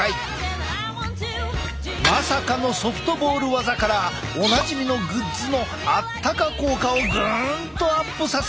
まさかのソフトボール技からおなじみのグッズのあったか効果をグンとアップさせる秘けつまで！